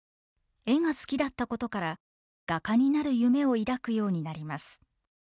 絵が好きだったことから画家になる夢を抱くようになります。